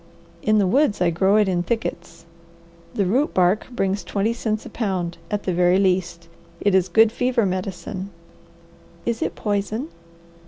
In the woods I grow it in thickets. The root bark brings twenty cents a pound, at the very least. It is good fever medicine." "Is it poison?"